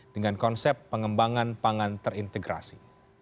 dengan konsep pengembangan pangan terintegrasi